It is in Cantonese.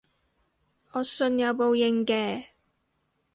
我信有報應嘅